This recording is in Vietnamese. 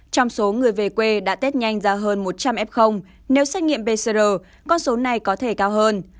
trong số người về quê đã tết nhanh ra hơn một trăm linh f nếu xét nghiệm pcr con số này có thể cao hơn